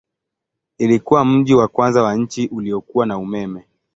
Ilikuwa mji wa kwanza wa nchi uliokuwa na umeme.